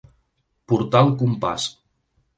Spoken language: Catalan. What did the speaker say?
Portar el compàs.